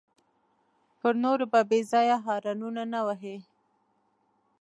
پر نورو به بېځایه هارنونه نه وهې.